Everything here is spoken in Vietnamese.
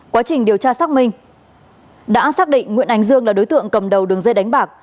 quá trình điều tra xác minh đã xác định nguyễn anh dương là đối tượng cầm đầu đường dây đánh bạc